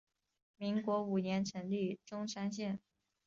民国五年成立钟山县。